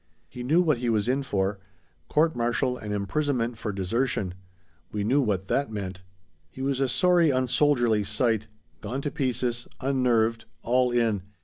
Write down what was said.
He knew what he was in for. Court martial and imprisonment for desertion. We knew what that meant. "He was a sorry, unsoldierly sight. Gone to pieces. Unnerved. All in.